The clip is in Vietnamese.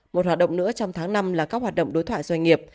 một hoạt động nữa trong tháng năm là các hoạt động đối thoại doanh nghiệp